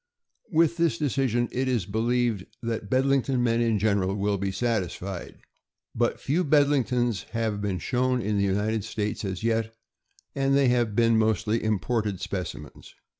With this decision it is believed that Bed lington men in general will be satisfied. But few Bedlingtons have been shown in the United States as yet, and they have been mostly imported speci mens.